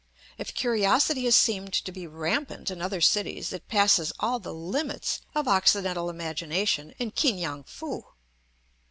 If curiosity has seemed to be rampant in other cities it passes all the limits of Occidental imagination in Ki ngau foo.